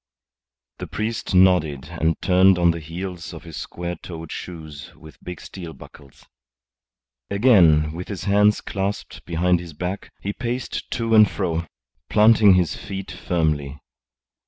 The priest nodded and turned on the heels of his square toed shoes with big steel buckles. Again, with his hands clasped behind his back, he paced to and fro, planting his feet firmly.